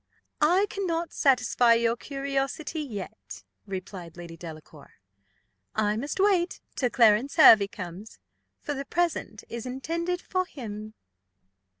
"I cannot satisfy your curiosity yet," replied Lady Delacour. "I must wait till Clarence Hervey comes, for the present is intended for him."